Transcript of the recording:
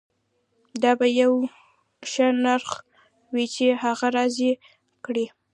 دا به یو ښه نرخ وي چې هغه راضي کړي